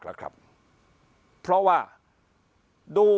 พักพลังงาน